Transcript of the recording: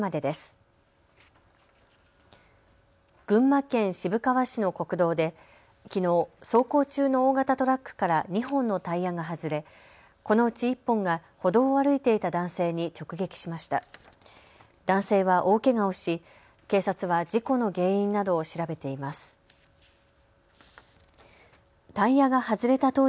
群馬県渋川市の国道できのう、走行中の大型トラックから２本のタイヤが外れこのうち１本が歩道を歩いていた男性に直撃しました。